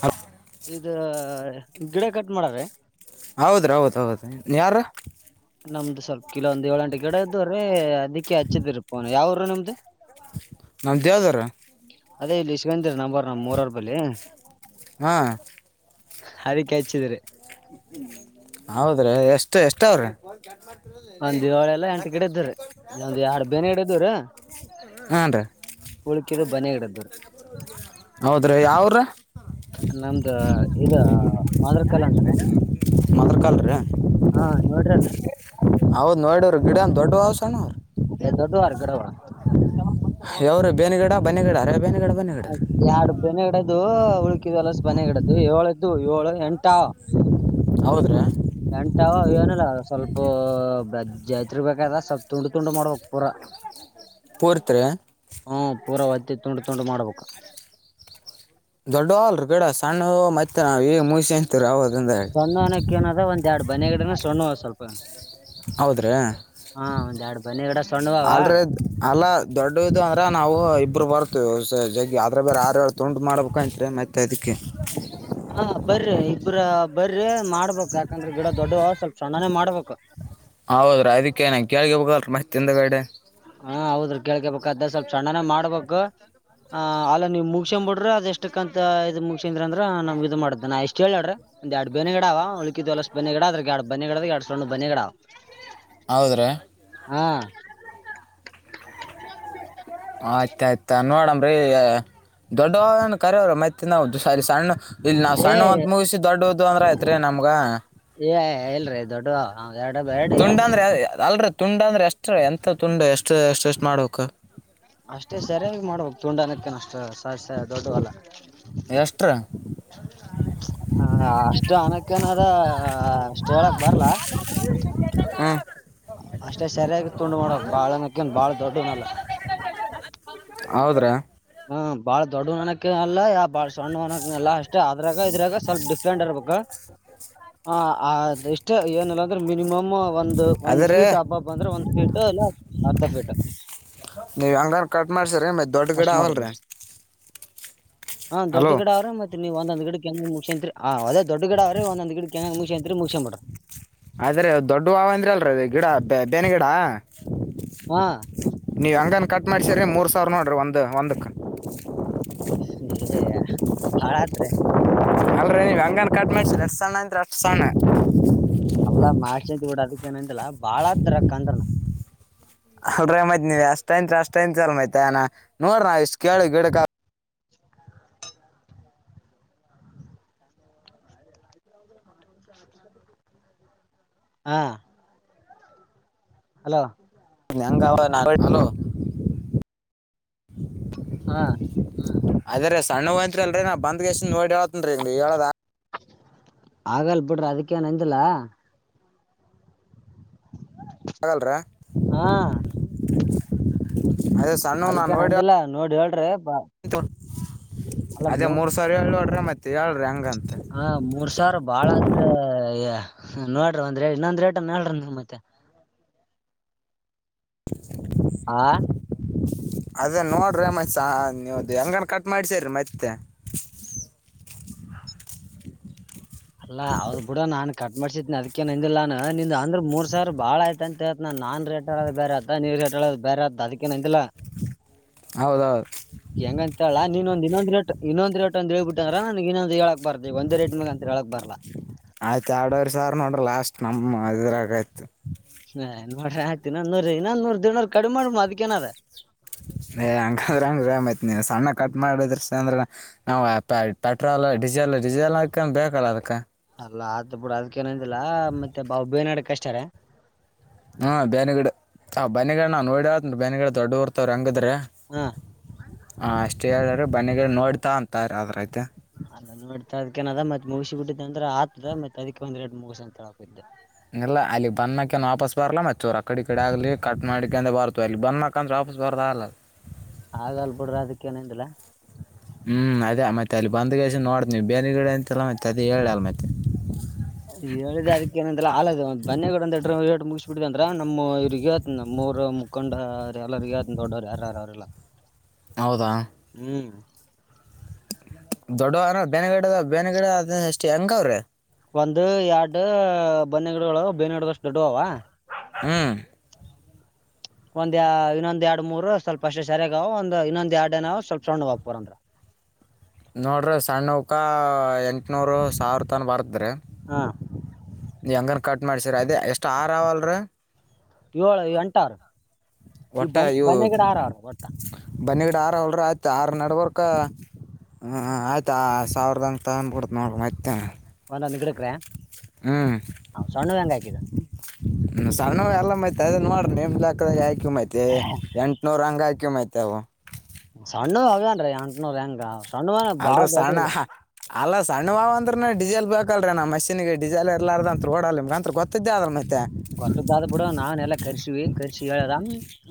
ಹ [unintelligible] ಇದು ಗಿಡ ಕಟ್ ಮಾಡದ್ರಿ ಹೌದ್ರ ಹೌದ ಹೌದು ಯಾರ ನಮ್ದು ಸ್ವಲ್ಪ ಕಲವೊಂದ ಏಳ ಗಂಟೆ ಗಿಡ ಇದದ್ದ್ರೀ ಅದಿಕ್ಕೆ ಹಚ್ಚಿದ್ ಫೋನ್ ಯಾವೂರು ನಿಮ್ದು [unintelligible] ಅದೇ ಇಲ್ಲಿ [unintelligible] ನಮ್ಮೂರ ಬಳಿ ಹಾಂ ಅದಿಕೆ ಹಚ್ಚಿದ್ರರಿ ಹೌದ್ರೀ ಎಷ್ಟು ಎಷ್ಟಾವ್ರೀ [unintelligible] [inaudible] ಒಂದ್ ಏಳೆಲ್ಲ ಎಂಟು ಗಿಡ ಇದ್ದವ್ರಿ ಒಂದ್ ಎರಡ್ ಬೇನೆ ಗಿಡ ಇದ್ದವ್ರಿ ಉಳ್ಕಿದು ಬನೆ ಗಿಡ ಇದ್ದವ್ರಿ ಹೌದ್ರೀ ಯಾವ್ ಊರ ನಮ್ದು ಇದಾ [unintelligible] ಹಾ ನೋಡ್ರಲ್ರಿ [unintelligible] ಹೌದು ನೋಡರು ಗಿಡಂತ ದೊಡ್ರೋ [unintelligible] ದೊಡ್ಡವಾರ ಗಿಡಗಳ [unintelligible] ಉಳಿಕ್ಕಿದ್ [unintelligible] ಗಿಡದ್ದು ಏಳದ್ದು ಏಳು ಎಂಟ ಹೌದ್ರಿ ಎಂಟಾವ ಏನಿಲ್ಲ ಸ್ವಲ್ಪ ಜಾತ್ರಿ ಬೇಕದ ಸ್ವಲ್ಪ್ ತುಂಡು ತುಂಡು ಮಾಡಬೇಕ ಪೂರ ಪೂರ್ತಿ ರೀ ಹ್ಮ್ ಪೂರಾವತ್ತಿ ತುಂಡು ತುಂಡು ಮಾಡ್ಬೇಕು ದೊಡ್ಡವಲ್ರಿ ಗಿಡ ಸಣ್ಣ ಮತ್ತೆ ನಾವ ಈ ಮುಗಸಿ ಸಣ್ಣವನಕ್ಕೆ ಏನದ ಒಂದ್ ಎರಡು [unintelligible] ಗಿಡ ಸಣ್ಣವು ಸ್ವಲ್ಪ ಹೌದ್ರೀ ಹಾ ಒಂದ್ ಎರಡ್ ಬನಿ ಗಿಡ ಸಣ್ಣುವವ ಅಲ್ರ ಅಲ್ಲ ದೊಡ್ಡದು ಅಂದ್ರ ನಾವು ಇಬ್ರು ಬರ್ತವಿ ಜಗ್ಗ ಆದ್ರ ಬೇರೆ ತುಂಡು ಮಾಡ್ಬೇಕು ಅಂತೀರಾ ಮತ್ತ್ ಅದಿಕ್ಕೆ ಹಾ ಬರ್ರಿ ಇಬ್ರ ಬರ್ರಿ ಮಾಡ್ಬೇಕ್ ಯಾಕಂದ್ರೆ ಗಿಡ ದೊಡ್ಡ ಸ್ವಲ್ಪ ಸಣ್ಣನೇ ಮಾಡ್ಬೇಕು ಹೌದ್ರಾ ಅದಕ್ಕೆ [unintelligible] ಮತ್ತ್ ಹಿಂದೇಗಡೆ ಹಾ ಹೌದ್ರಿ ಕೇಳ್ಕೇಬೇಕ್ ಅದ ಸ್ವಲ್ಪ ಸಣ್ಣನೇ ಮಾಡ್ಬೇಕು ಹಾ ಅಲ್ಲ ನೀವ್ ಮುಗಸಂಬ ಬಿಡ್ರಿ ಅದ ಎಷ್ಟಕ್ಕಂತ ಇದ್ ಮುಗಸಂದ್ರ ಅದು ನಮ್ಗ ಇದು ಮಾಡ್ದ ನಾ ಎಷ್ಟ್ ಹೇಳಾಡ್ರಿ ಒಂದ ಎರಡು [unintelligible] ಹೌದ್ರೀ ಹಾ ಆಯ್ತ ಆಯ್ತಾ ನೋಡಮ್ರೀ ದೊಡ್ಡವ ಏನ್ ಕರವ್ರಿ ಮತ್ತೆ ನಾವು ಸರಿ ಸಣ್ಣ ಇಲ್ಲಿ ನಾವ್ ಏ ಸಣ್ಣವಂತ ಮುಗಿಸಿ ದೊಡ್ಡದು ಅಂದ್ರ ಆಯತ್ರಿ ನಮ್ಗ [unintelligible] ಎರಡು ತುಂಡ ಎತ್ತಲೆ ಅಂದ್ರೆ ಅಲ್ರಿ ತುಂಡ ಅಂದ್ರೆ ಎಷ್ಟ ಎಂತ ತುಂಡ ಎಷ್ಟು ಎಷ್ಟ ಎಷ್ಟ್ ಮಾಡ್ಬೇಕು ಅಷ್ಟೇ ಸರಿಯ ಮಾಡ್ಬು ತುಂಡಾನಕ್ಕನ್ ಅಷ್ಟು ಸಹಸ ದೊಡ್ಡವಲ್ಲ ಎಷ್ಟ್ರಿ [inaudible] ಹಾ ಅಷ್ಟು ಅಂಕ್ಕೆದ ಅಷ್ಟ್ ಹೇಳಕ್ ಬರ್ಲ ಹಾ ಅಷ್ಟೇ ಸರಿಯಾಗಿ ತುಂಡು ಮಾಡೋಕ್ ಬಾಳಕಂದು ಬಾಳ ದೊಡ್ಡನಲ್ಲ ಹೌದ್ರಿ ಹ್ಮ್ ಬಾಳ್ ದೊಡ್ಡ ಅನ್ನಕ ಅಲ್ಲ ಬಾಳ್ ಸಣ್ಣವು ಅನ್ನಾಕಲ್ಲ ಅಷ್ಟೇ ಅದ್ರಾಗ ಇದ್ರಾಗ ಸ್ವಲ್ಪ ಸ್ಂಡಬೇಕ ಹ ಅ ಇಷ್ಟ ಏನಲ್ಲ ಅಂದ್ರೆ ಮಿನಿಮಮ್ ನಿಮ್ಮ ಒಂದ ಒಂದ್ ಅದ್ರಿ ಫೀಟ್ ಹಬ್ಬ ಹಬ್ ಅಂದ್ರೆ ಒಂದ್ ಫೀಟ್ ಇಲ್ಲ ಅರ್ಧ ಫೀಟ್ ನೀವು ಹಂಗನ್ ಕಟ್ ಮಾಡ್ಸ್ರೀ ಮತ್ತೆ ದೊಡ್ಡ ಗಿಡ ಅಷ್ಟ್ ಆ ಅವಲ್ರರಿ ಮಾಡ್ಬೇಕ್ ಹಾ ದೊಡ್ ಗಿಡ ಅವ್ರೆ ಮತ್ತೆ ನೀವ ಒಂದ ಗಡ ಮುಖ್ಯಂತ್ರಿ ಹ ಅದ ದೊಡ್ ಗಿಡ ಅವ್ರೀ ಒಂದೊಂದ್ ಗಿ ಚೆಾಗ್ ಮುಗಷ ಅಂತತ್ರಿ ಮುಗಸನ್ ಮಾಡ್ರಿ ಬನಗಿಡ ಹಾ ನೀವು ಹಂಗ ಕಟ್ ಮಾಡಿ ಸರಿ ಮೂರು ಸಾವಿರ ನ ನಡರಿ ಒಂದು ಒಂದುಕ್ಕೆ ಸೇಯ ಭಾಳಾದ್ರೆ ಅಲ್ರರಿ ನೀವು ಹಂಗನ್ ಕಟ್ ಮಾಡ್ಸ ಎರಷ್ಟ ಸಣ್ಣ ಅಂದ ಅಷ್ಟ ಸಣ್ಣ ಈಗನಂದಿಲ್ಲಾ ಬಾಳ ದ್ರ ಕಂದ್ರನ ಅಲ್ೀ ಮೈತ್ ನೀವ ಅಷ್ಟ ಯನ್ತ್ ಅಷ್ಟ ಯತ್ ಅಲ್ ಮೈ್ತ್ ಅನಾ ನೋಡ್ರ ನ ಇಷ್ಟ್ ಕೇಳಿ ಗಿಡಕ ಹಾ ಹಲೋ ಂಗ ನಾಗಲ ಹಾ ಅದ್ರೀ ಸಣ್ಣ ಹಯಂತ್ರಿಲ್ರರಿ ನಾ ಬಂದ್ಗೆ ಎಷ್ಟ್ ನೋಡಿ ಹೇಳತನ್ರಿ ಹೇಳದ ಆಗಲ್ ಬಿಡ್ರಿ ಅದಕ್ಕ ನಂದಿಲ್ಲ ಪಾಗಲ್ ರ ಹಾ ಅದೇ ಸಣ್ಣ ನಾನು ಅದಕ್ಕೇನ್ ನೋಡಿ ಅಂದಿಲ್ಲ ನೋಡಿ ಹೇಳ್ರಿ ಬ- ಅಲ್ಲ ಅದೇ ಮೂರ್ ಸಾವಿರ ಹೇಳಳ್ೋಡ್ರಿ ಮತ್ತೆ ಹೇಳ್ರಿ ಹಂಗಂತ ಹ ಮೂರ್ ಸಾವಿರ ಬಾಳದ್ರೆ ನೋಡ್ರಿ ಒಂದ್ ಇನ್ನೊಂದ್ ರೇಟ ನ ಹೇಳಡ್ರಿ ನಿಮ್ ಮತ್ತೆ ಆ ಅದ ನ ್ರ ಮಸ ನೀವವುದು ಹಂಗನ್ ಕಟ್ ಮಾಡ್ಸೇರಿ ಮತ್ತೆ ಹ ಅಲ್ಲಾ ಅವದ್ ಬಿೂಡ ನಾನ್ ಕಟ್ ಮಾಡಸಿದ್ನ ಅದ್ಕಂದಿಲ್ಲ ನಾನನ್ ನಿ ಅಂದ್ರೆ ಮೂರ್ ಸಾವಿ ಬಾಳ ಆಯತ ಅಂತೇತ ನನ್ ರೇ ಬೇರೆ ಆತ ನೀ ಬೇರೆ ಅ ಅದಕ್ಕೇ ಅಂದಿಲ್ಲಾ ಹೌದೌದು ಹೆಂಗಂತಲ್ಲ ನೀನ್ೊಂದ್ ಇನ್ನೊಂದ ರೇಟ್ ಇನ್ನೊಂದ್ ರೇಟ್ ಹೇಳ್ಬಿಟ್ಟ ಅ್ರ ನನ್ ಇನ್ನೊಂದು ಹೇಳಕ್ ಬಾರ್ದ ಒಂದೇ ರೇಟ್ ಮಾಗ ಅಂತ ಹೇಳಕ್ ಬರ್ಲಾ ಸಾರ್ ನೋಡ್ರ ಲಾಸ್ಟ್ ನಮ ಅ್ರಗಯತು ಹ ನೋಡ್ರಿ ಆಯ್ತಿನ ನೂರ್ ಇನ್ನ ನೂರ್ ದಡ್ೂರ್ ಕಡಿಮ ಮಾಡ್ಮ ಅದಕ್ಕ ಏನದ ಏ ಹಂಗಂದ್ರ ಅಂಗ್ರಯತ್ ನೀ್ ಸಣ್ಣ ಕಟ್ ಮಾಡುದ್ರ ಅಂದ್ರ ನಾವ್ ಪೆಟ್ರೋಲ್ ಡೀಸೆಲ್ ಲ್ಲ ಡಿಜಲ್ ಹಾಕ್ ಬೇಕಲ್ಲ ಅದಕ್ಕೆ ಅಲ್ಲ ಆದ ಬಿಡ ಅದ್ೇನಂದಿಲ್ಲಾ ಮತ್ತೆ ಬಾ ಬೇನಾಡಕ ಅಷ್ಟಾರೆ ಹ್ಮ ಬೇನಗಡ ಆ ಬೇಿಗಡೆ ನಾವ್ ನೋಡದ ಬೇನಗಡಡೆ ದೊಡ್ಡ ಹೊರ್ತವ್ರ ಹಂಗದ್ರೆ ಹ್ಮ ಅಷ್ಟ ಹೇಳಾರ ಮನೆಿಗಳ ನೋಡ್ತಾ ಅಂತಾರ ಅದ್ರೈತೆ ಅದ ನೋಡ್ತ ಅದಕನದ ಮತ್ ಮುಗಿ ಬಿಟ್ಟಿದ್ದೆ ಅ್ರ ಆತದ ಮತ್ ಅದಕ್ಕೆ ಒಂದೆರಡ್ ಮುಗಸ ಅಂತ ಹಾಕಿದ್ದೆ ಇಲ್ಲ ಅಲ್ಲಿ ಬಂದಕನ್ ವಾಪಾಸ್ ಬರ್ಲ್ಲ ಮತ್ತ ಚೂರು ಅ ಕಡಿ ಕಡೆ ಆಗ್ಲಿ ಕಟ್ ಮಾಡಕ ಅಂದ ಬಾರತು ಅಲ್ಲಿ ಬಂದಕಂದ್ರ ವಾ ಬಸ ಬರ್ದಲ್ಾಗ ಆಗಲ್ ಬಿಡ್ರ ಅದಕ್ಕ ಏನಿಂದಿಲ್ಲ ಹ್ಮ್ ಅದೇ ಮತ್ತೆ ಅಲ್ಲಿ ಬಂದ್ಗೆ ನೋಡ್ದ ನೀವು ಬೇರೆಗಡೆ ಅಂತಲ್ಲ ಮತ್ತೆ ಅದ ಹೇಳ ಅ ಮತ್ತೆ ಹೇಳಿದೆ ಅದಕ್ಕೇಏ ಆಲದ ಬನೆಿ ಮುಗಿಸ್ಬ ಬಿಟ್ಟಿದೆ ಅಂದ್ರ ನಮ್ಮ್ ಇರಿಗೆ ಮೂರು ಮುಖಂಡ ಎಲ್ಲರಿಗ ದೊಡ್ಡವ್ರರು ಯಾರ್ಯಾರ ಅವ್ರಲ್ಲ ಹೌದಾ ದೊಡ್ಡವ ಅನ ಬೇನಗಿಡದ ಬೇನಗಡ ಅದ ಅಷ್ಟೇ ಹೆಂಗ ಅವ್ರೆ ಒಂದು ಎರಡು ಬನ್ನಿಗಿಡಗಳು ಬೇನ್ನಿ ಗಿಡಷ್ಟು ದೊಡ್ಡುವವ ಹ್ಮ್ ಒಂದ್ ಇನ್ನೊಂದ್ ಎರಡ್ ಮೂರ್ ಸ್ವಲ್ಪ ಅಷ್ಟೆ ಸರಿಯಾಗಾವವು ಒಂದ್ ಇನ್ನೊಂದ ಎರಡ್ನವು ಸ್ವಲ್ಪ ಸಣ್ಣ ಬಾಪರ್ ಅಂದ್ರ ಹ ನೋಡ್ರಿ ಸಣ್ಣಕ್ಕ ಎಂಟನೂರು ಸಾವಿರ ತನ ಬರ್ತ ಹಾ ನೀ ಹಂಗನ್ ಕಟ್ ಮಾಡ್ಸರ ಅದೇ ಎಷ್ಟ್ ಆಾರ ಅವಲ್ರ ಏಳ್ ಎಂಟ್ ಅವ್ರಿ ಈ ಒಟ್ಟೆ ಬನ್ ಇವು ಬನ್ನಿ ಗಿಡ ಆರ್ ಅವ್ರಿ ಒಟ್ಟ ಬನ್ನಿಗಡ ಆರ ಹೊಲ್ರು ಆಯ್ತು ಆರು ನಡವರ್ಕ ಹ ಆಯ್ತಾ ಆ ಸಾವಿರದನಗೆ ತಗೊಂಡ್ಬಿಡ್ತ ನೋಡ ಮ ಒಂದೊಂದ್ ಗಿಡಕ್ರೆ ಸಣ್ಣ ಹೆಂಗ ಹಾಕಿದ ಹ್ಮ ಸ ಎಲ್ಲ ಮೈತಿ ಅದ್ ನೋಡ್ರಿ ನಿಮ್ಕ ಯಾಕಿ ಮೈತಿ ಎಂಟ್ ನೂರ್ ಹಂಗ ಹಾಕ ಕ ಮಾಹ್ತವು ಸಣ್ಣ ಅವನ್ ರೀ ಅಂನ ರಂಗ ಸಣ್ಣ ಬಾ ಚೋತಲ್ಲ ಅಲ್ಲಾ ಸಣ್ಣವಾವ ಅಂದ್ರೆ ಡೀಿಸೆಲ್ ಬೇಕಲ್ರಿ ನಾ ಮಷೀನ್ಗೆ ಡಿಸೆಲ್ ಇರ್ಲ್ಲಾರದ ಅಂತ ಡಲ್ ನಿಮ ಅಂತ ಗೊತ್ತದಾದ ಬಿಡ ನಾನ ಎಲ್ಲ ಕರ್ಸಿವಿ ಕರ್ಸಿ ಹೇಳದ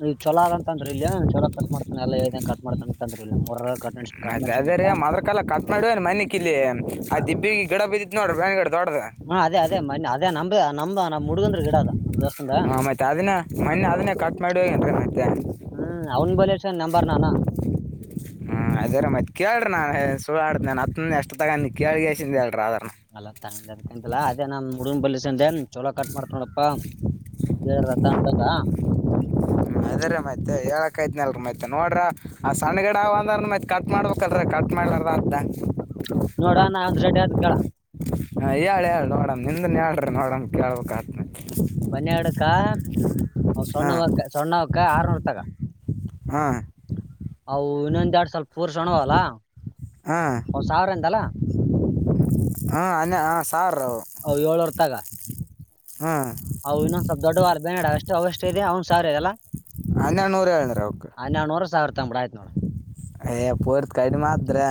ಈ ಚಲ ಅಗ ಅಂತಂದ್ರ ಇ ಚಲ ಕಟ್ ಮಾಡತಾನ ಎಲ್ಲಾ ಕಟ್ ಮಾಡ್ತಾನ ಅಂತಂದ್ರ ಇಲ್ಲ ಮೂರ ಕಟ್ ಮಾಡ್ಸಿ ಕಟ್ ಮತ್ತೆ ಮಾಡ್ಸಿ ಅದೆರಿ ಅಂತ ಮದ್ರು ಕಾಲ ಕಟ್ ಮಾಡವನ್ ಮನ ಕ ಇಲ್ಲಿ ಆ ದಿಬ್ಬಿಗೆ ಗಿಡ ಬಿದ್ದಿತ್ ನೋಡ್ರಿ ಬ್ಯಾಗಡೆ ಹ್ಮು ಅದೇ ಅದೇ ಮನ್ನೆ ಅದೇ ನಮ್ಬದೆ ನಮ್ ನಮ್ ಹುಡುಗಂದ್ ರಿ ಗಿಡ ಅದು ನಮ್ ದೋಸ್ತಂದು ನೆನ್ನೆ ಅದನ್ನೇ ಕಟ್ ಮಾಡಿ ಹೋಗೆನ್ ರಿ ಮತ್ತೆ ಹ್ಮು ಅವನ್ ಬಲಿಸ ನಂಬರ್ ನಾನು ಹ್ಮು ಅದರೆ ಮತ್ತೆ ಕೇಳ್ರಿ ನಾ ಹೇ ಸುಳ್ ಆಡ್ದ ನನ್ ಹ ಎಷ್ಟತಗ ಅ ಕೇಳಗೆೇಸಿ ಹೇಳ್ರ ಅದ ಅಲ್ಲ ತಾಂಡಬಕಾಂತಲ್ಲ ಅದೇ ನಮ್ಮ್ ಹುಡುಗನ್ ಬಲ್ಲಿ ಚಂದನ್ ಛಲೊ ಕಟ್ ಮಾಡ್ತಿನೋಡಪ್ಪ ಅಂತಂದ ಅದೇ ರೀ ಮತ್ತೆ ಹೇಳಕತ್ತಿನಲ್ರಿ ಮತ್ತೆ ನೋಡ್ರು ಆ ಸಣ್ಣಗಿಡ ಒಂದಾರುನು ಮತ್ ಕಟ್ ಮಾಡ್ಬೇಕಲ್ರಿ ಕಟ್ ಮಾಡ್ಬರತ್ತಾ ನೋಡು ನಾ ಒಂದ್ ರೇಟ್ ಹೇಳ್ತಿನ್ ಕೇಳು ಹಾ ಹೇಳ್ ಹೇಳ್ ನೋಡಣ ನಿನ್ದು ಹೇಳ್ರಿ ನೋಡಣ ಕೇಳ್ಬೇಕ್ ಆಗುತ್ತೆ ಬನ್ನಿ ಹಡುಕ್ಕ ಅವ ಹಾ ಸೊಣ್ಣುವಟ್ಟೆ ಸೊಣ್ಣುವಕ್ಕ ಆರ್ನೂರ್ತಗ ಹಾಂ ಅವು ಇನ್ನೊಂದು ಎರಡ್ ಸ್ವಲ್ಪ ಪೂರ್ಷಣವಲ್ಲ ಹಾ ಅವು ಸಾವಿರಿಂದಲ ಹಾ ಅನ್ನೆ ಅ ಸಾರ್ ಅವು ಇನ್ನೊಂದು ಸ್ವಲ್ಪ ದೊಡ್ಡವಾರೆ ಬೇಡ ಅಷ್ಟುಲ್ಸ್ಟೇಜ್ ಅವಂದು ಸಾವರೆಲ ಹನ್ನೆರ್ಡುನೂರು ಹೇಳಿದ್ರು ಅವಕೆ ತಂಬಡ ಆಯ್ತ್ ನೋಡು ಏ ಪೂರ್ತ್ ಕಡಿಮೆ ಆಯಿದ್ರೆ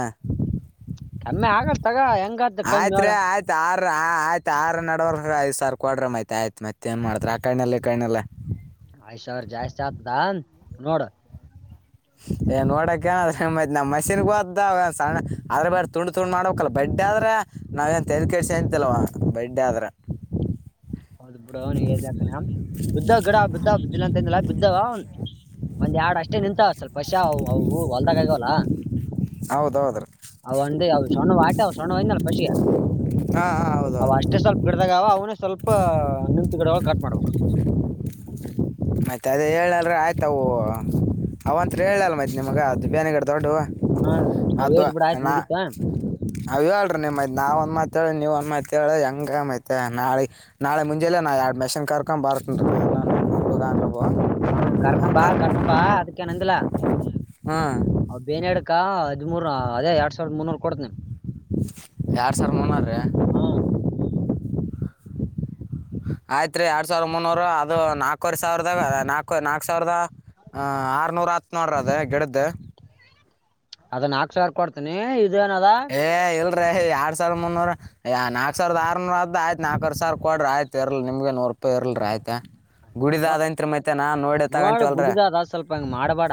ಕಮ್ಮಿ ಆಗಲ್ ತಗ ಹೆಂಗಾತ ಕಮ್ಮಿ ಆಯ್ತ್ ರಿ ಹೇಳ ಆಯ್ತು ಆರ ಆ ಆಯ್ತ ಆರ್ ನಡವರ್ ಐದ್ ಸಾವಿರ್ ಕೊಡ್ರಿ ಆಯ್ತ್ ಮತ್ತೆ ಆಯ್ತು ಏನ್ ಮಾಡ್ತಾರ ಅಕಣ್ಣೆಲ್ಲಿ ಕಾಣಿಲ್ಲ ಐಶವಿರ ಜಾಸ್ತಿ ಆಗ್ತದ ನೋಡು ಯು ಏ ನೋಡಕ ಮತ್ತ ನ ಮಷೀನ್ಗ ಹೋದ್ದ ಸಣ್ಣ ಆದ್ರ್ಬದ್ರೆ ತುಂಡ್ ತುಂಡ್ ಮಾಡಕಲ್ಲ ಬಡ್ಡೆ ಆದ್ರೆ ನಾವನ್ ಏನ್ ತೆಲ್ ಕೇಳ್ಸತಿಲ್ವ ಬಡ್ಡೆ ಆದ್ರೆ ಹ ಹೌದ್ ಬಿಡೊ ನೀ ಹೇಳ್ದೆಅಗ್ತಿನಿ ಬಿದ್ದ ಗಿಡ ಬಿದ್ದ ಬಿದ್ದಿಲ್ಲ ಅಂತಲ್ಲ ಬಿದ್ದೊ ಒಂದ್ ಎರಡ್ ಅಷ್ಟೆ ನಿಂತಾವ ಸ್ವಲ್ಪ ಪೊಷಾ ಅವು ಹೊಲ್ದಾಗ್ ದಗವಲ್ಲ ಹೌದೌದ್ರಿ ಅವ ಒಂದು ಅವ ಸವಣ್ಣ ಆಟ ಅವ ಸಣ್ಣ ನಲ್ಲ ಪಶ್ಶಿಗೆ ಹಾಂ ಹಾಂ ಅವ್ ಹೌದೌದು ಅಷ್ಟೇ ಸ್ವಲ್ಪ ಗಿಡದಾಗವ ಅವ್ ಸ್ವಲ್ಪ ನಿಂತು ಗಿಡವ ಕಟ್ ಮಾಡ್ಬೇಕು ಆಯ್ತು ಅದೇ ಹೇಳಲ್ರಿ ಆಯ್ತು ಅವು ಅವಂತ್ರು ಹೇಳಲ್ಲ್ ನಿಮಗ ಅದುಬಾನೆಗಿಡದವು ದೊಡ್ಡವು ಹ್ಮ್ ಅವ್ ಅದು ಏಜ್ ಬಿಡ ಆಯ್ತು ನ ಮುಗಿತ ಅವು ಟ್ರು್ಮ್ ದ್ ನಾವ್ ಒಂದ್ ಮಾತ್ ಹೇಳಿ ನೀವೊಂದ್ ಮಾತ್ ಹೇಳಿ ಹೆಂಗೆ ಮತ್ತೆ ನಳಿ ನಾಳೆ ಮುಂಜಾಲೆ ನಾ ಎರ್ಡ್ಮಿಷನ್ ಕರ್ಕ್ನಬರ್ತುನ್ ರಿ [unintelligible] ಭಾವ ಹ್ಮ್ ಕರಕಂಬಾ ಕರಕಂಬಾ ಅದಕ್ಕೆನ್ಅಂದಿಲ್ಲ ಹಾ ಕ್ಕಾ ಹದಿಮೂರ ಅದೇ ಎರಡ್ಸಾವಿರದ ಮುನ್ನೂರ್ ಕೊಡತಿನ್ ಎರಡ್ ಸಾವಿರ ಮೂನ್ನೂರಿ ಆಯ್ತ್ ರಿ ಎರಡ್ ಸಾವಿರ ಮುನ್ನೂರ್ ಅದು ನಾಲ್ಕವರೆ ಸಾವರದಾಗ ನಾಕು ನಾಕು ಸಾವರದ ಹಾ ಆರ್ನೂರ್ ಹತ್ ನೋಡ್ರಿ ಅದೇ ಗಿಡದ್ದು ಅದ ನಾಕ್ ಸಾವಿರ ಕೊಡ್ತೀನಿ ಇದೇನ ಅದ ಹೇಎ ಎರಡ್ ಸಾವಿರ ಮುನ್ನೂರು ಎ ನಾಕ್ ಸಾವಿರದ ಆರ್ನೂರ್ ಆದ್ ಆಯ್ತ್ ನಾಕುವರ್ ಸಾವರ ಕೊಡ್ರಿ ಆಯ್ತು ಇರ್ಲಿ ನಿಮ್ಗೆ ನೂರು ಇರ್ಲಿ ಆಯ್ತ ಗುಡಿದ್ ನೋ- ಆದೈಂತ್ರಿ ಮತ್ತೆ ನಾನ್ ನೋಡೆ ನೋಡು ತಗಂತೀವ್ ಅಲ್ರೆ ಗುಡಿದ ಅದ ಸ್ವಲ್ಪ ಹಂಗ್ ಮಾಡಬೇಡ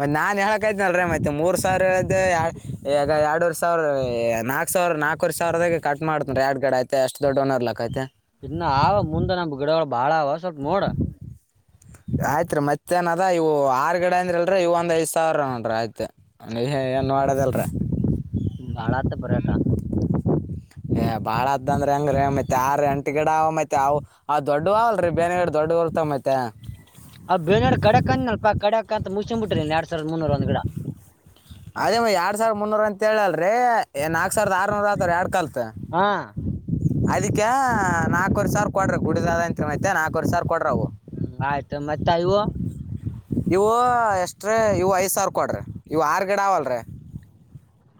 ಮತ್ ನಾನ್ ಹೇಳಕ್ನಲ್ರೀ ಮತ್ತೆ ಮೂರ್ ಸಾವಿರ ಹೇಳ್ದೆ ಈಗ ಎರಡು ವರ್ಸ್ ಸಾವಿರ ನಾಕ ಸಾವರ ನಾಲ್ಕುವರೆ ಸಾವಿರದಾಗ ಕಟ್ ಮಾಡತ ರೀ ಯೈಡುಕಡೆ ಐತೆ ಅಷ್ಟು ದೊಡ್ ಓನರ್ಲಾಕ್ ಐತೆ ಇನ್ನ ಆವ ಮುಂದೆ ನಮ್ಮ ಗಿಡಗಳು ಬಾಳ್ ಅವವ ಸ್ವಲ್ಪ ನೋಡ ಆಯ್ತ್ ರೀ ಮತ್ತೇಏನದ ಇವು ಆರ್ ಗಿಡ ಅಂದ್ರ ಅಲ್ರರಿ ಇವ ಒಂದ್ ಐದ ಸಾವಿರ ನೋಡ್ರಿ ಆಯ್ತ ನೋಡೆದಲ್ರ ಬಾಳ ಐತಪ್ಪ ರೇಟ್ ಏ ಬಾಳ ಅದ ಅ್ರ ಹೆಂಗ್ರೀ ಮತ್ತತ್ ಯಾರೀ ಎಂಟ್ ಗಿಡ ಅವ ಮತ್ತತ್ ಅವು ದೊಡ್ಡ ಅವಲ್ರಿ ಬೇನಗಡ ದೊಡ್ ಮತ್ತೆ ಅ ಬೇನಾಡ್ ಕಡಕ್ ಅಂದಲ್ಪ ಕಡಕ ಅಂತ ಮುಗಸನ್ ಬಿಟ್ರಿ ಎರಡ್ ಸಾವಿರದ ಮುನ್ನೂರ ಒಂದ್ ಗಿಡ ಅದೇ ಮ ಎರಾಡ್ ಸಾವಿರದ ಮುನ್ನೂರ ಅಂತ ಹೇಳಲ್ರಿ ಏ ನಾಕ್ ಸಾವಿರದ ಆರ್ನೂರ ಆತ ಎರಡ್ ಕಲ್ತ್ ಹಾ ಕ ನಾಲ್ಕವರೆ ಸಾವಿ ಕೊಡ್ರಿ ಗುಡಿದ ಅಂತತ್ತ ನಾಲ್ಕವರೆ ಸಾವರ ಕೊರಿ ಅವು ಹ್ಮ ಆಯ್ತು ಮತ್ತ ಇವು ಇವು ಎಷ್ಟ್ರೀ ಇವು ಐದು ಸಾವಿರ ಕೊಡಿರಿ ಇವು ಆರುಗಿಡ ಅವವಲ್ಲ ರೀ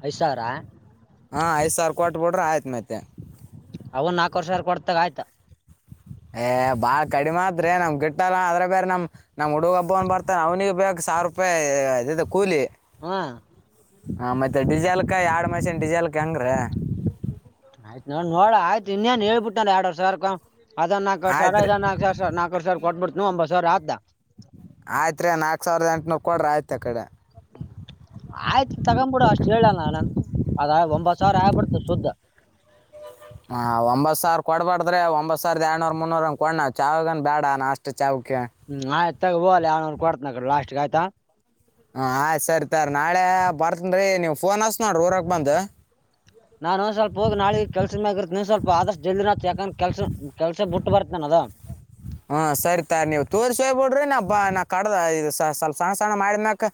ಐದು ಸಾವಿರ ಹಾಂ ಐದು ಸಾವಿರ ಕೊಟ್ಟಟ್ಬಿಡ್ರಿ ಆಯ್ತು ಮತ್ತೆ ಅವನ್ ನಾಲ್ಕು ವರ್ಷ ಕೊಡ್ತಾಗ ಆಯ್ತಾ ಏ ಬಾಳ್ ಕಡಿಮೆ ಆದ್ರೆ ನಮ್ ಗಿಟ್ಟಲ್ಲ ಅದ್ರ ಬೇರೆ ನಮ್ ನಮ್ ಹುಡುಗ್ಬ್ಬವ್ ಬರ್ತಾನ ಅವ್ನಿಗೆ ಬೇರ್ ಸಂ ಸಾವಿರ ರೂಪಾಯಿ ಇದೆ ಕೂಲಿ ಹಾ ಹಾ ಮತ್ತೆ ಡಿಸೆಲ್ಕ ಎರಡ್ ಮಿಷನ್ ಡಿಸೆಲ್ಕ ಹಂಗ್ರ ಆಯ್ತ ನೋ ನೋಡು ಆಯತ ಇನೇನು ಹೇಳ್ಬಿಟ್ಟ ಎರಡು ವರೆ ಸಾವಿರಕ್ಕ ಹದ್ ನಾಕುವರೆ ಆಯ್ತು ಸಾವಿರ ರೀ ಇದು ಒಂದು ನಕುವರೇ ಸಾವಿರ ಕೊಡ್ಬ ಬಿಡ್ತೀನಿ ನೀವು ಒಂಬತ್ ಸಾವಿರ ಆದಾ ಆಯ್ತ್ ರಿ ನಾಕ್ ಸಾವಿರದ ಎಂಟನೂರು ಕೊಡ್ರಿ ಆಯ್ತು ಆಕಡೆ [inaudible] ಆಯ್ತು ತಗೊಬಿಡು ಅಷ್ಟ್ ಹೇಳಲ್ಲ ನನ್ ಅದ ಒಂಬತ್ ಸಾವಿರ ಆಗ್ಬಿಡ್ತ ಸುದ್ದ [inaudible] ಹಾ ಒಂಬತ್ ಸಾವಿರ ಕೊಡಬೇಡ್ರಿ ಒಂಬತ್ ಸಾವಿರದ ಎರಡ್ನೂರ್ ಮುನ್ನೂರ ಕೊಡ್ ನಾವು ಚಾ ಗೇನು ಬೇಡ ನಷ್ಟ ಹ್ಮ್ ಆಯ್ತ ತಗೋ ಹೋಗ್ಲಿ ಕೊಡ್ತನೇ ಲಾಸ್ಟ್ಗೇ ಆಯ್ತಾ ಹ ಆಯ್ ಸರಿ ತರ್ ನಾಳೆ ಬರ್ತನ್ರಿ ನೀವು ಫೋನ್ ಹಾಚ್ಚ್ ನೋಡು ಊರಿಗೆ ಬಂದು ನಾನು ಸ್ವಲ್ಪ ಹೋದ್ರೆ ನಾಳ ಕೆಲ್ಸ ಮೆಗೆಇರ್ತಿನಿ ನೀನ್ ಸ್ವಲ್ಪ ಆದಷ್ಟ ಜಲ್ದಿನ ಯಾಕಂದ್ರ ಕೆಲ್ಸ ಕೆಲ್ಸ ಬಿಟ್ಟ ಬರ್ತೀನಿ ಅಲ್ವಾ ಲ ಹ್ಮ ಸರಿತಾ ನೀವು ತೋರ್ರಿಸೆ ಬಿಡ್ರಿ ನಾ ಕಡ್ದ ಇದು ಸ್ವಲ್ಪ ಸಣ್ಣ ಸಣ್ಣ ಮಾಡಿದ್ಮೇಲೆ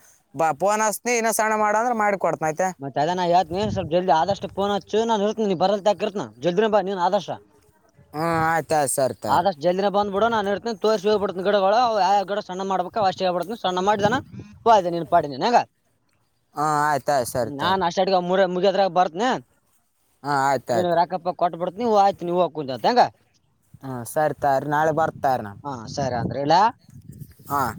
ಫೋನ್ ಹಚ್ತಿನಿ ಇನ್ನ ಸಣ್ಣ ಮಾಡ ಅಂದ್ರೆ ಮಾಡಿಕೊಡ್ತನಿ ಮತ್ತೆ ಅದನ್ನ ನಾನ್ ಹೇಳ್ತಿನಿ ಸ್ವಲ್ಪ ಜಲ್ದಿ ಆದಷ್ಟು ಪೋನ್ ಹಚ್ಚು ನನ್ ಇರುತ್ತ ನೀ ಬರಾಕಿರ್ತ್ ಜಡ್ರಂಬಾ ಜಾಗ್ರನೆ ಬಾ ನೀನ್ ಆದಷ್ಟು ಹ್ಮ ಆಯ್ತ ಆದಷ್ಟ ಜಲ್ದಿನ ಬಂದ್ ಬಿಡು ನಾನ್ ಇರ್ತನಿ ತೋರಿಸಿ ಯಾವ ಯಾವ ಗಿಡ ಸಣ್ಣ ಮಾಡ್ಬೇಕಕ್ ಅವಷ್ಟ ಹೇಳಿಬಿಡ್ತೀನಿ ಅವಷ್ಟು ಸಣ್ಣ ಮಾಡಿದನ ಹೋಗು ನಿನ್ನ ಪಾಡಿಗೆ ನೀನು ಹಾಂ ಆಯ್ತು ಆಯ್ತು ಸರಿ ನಾನ್, ತಾರಿ ಅಷ್ಟಾಡ್ಕ ಮೂರು. [inaudible] ಮುಗಿಯದ್ರಾಗ, ಬರೀತೀನಿ, ಹಾಂ ಆಯ್ತು ನೀನು ಆಯ್ತು ರೀ ರಾಕಪ್ಪ ಕೊಟ್ಟ ಬಿಡು. [inaudible] ನೀವು, ಆಯ್ತು, ನೀವ, ಕುಂದಾ? [unintelligible] ಹಾ, ಸರಿ, ತರಿ, ನಾಳೆ! ಬರ್ತರಣ. [inaudible] ಎಂಡಾ. [inaudible] ಹ. [inaudible]